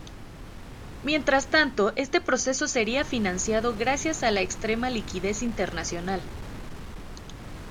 Mientras tanto este proceso sería financiado gracias a la extrema liquidez internacional.